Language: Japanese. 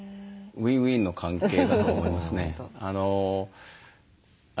ウィンウィンの関係だと思いますね。